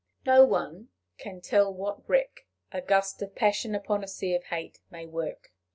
No one can tell what wreck a gust of passion upon a sea of hate may work.